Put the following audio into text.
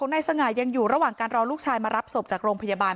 นายสง่ายังอยู่ระหว่างการรอลูกชายมารับศพจากโรงพยาบาล